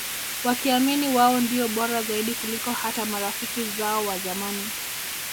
Wakiamini wao ndio Bora Zaidi kuliko hata marafiki zao wazamani